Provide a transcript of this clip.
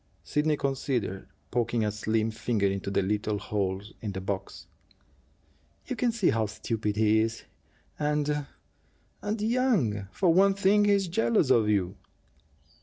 Sidney considered, poking a slim finger into the little holes in the box. "You can see how stupid he is, and and young. For one thing, he's jealous of you!"